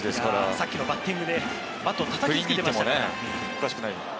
さっきのバッティングでバットを叩きつけていましたもんね。